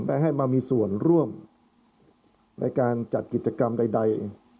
ให้มามีส่วนร่วมในการจัดกิจกรรมใด